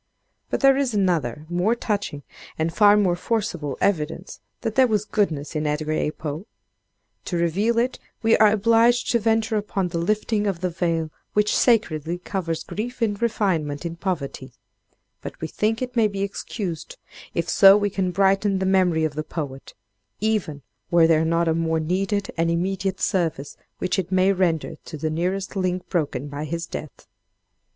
But there is another, more touching, and far more forcible evidence that there was goodness in Edgar A. Poe. To reveal it we are obliged to venture upon the lifting of the veil which sacredly covers grief and refinement in poverty; but we think it may be excused, if so we can brighten the memory of the poet, even were there not a more needed and immediate service which it may render to the nearest link broken by his death.